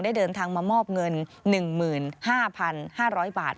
เดินทางมามอบเงิน๑๕๕๐๐บาท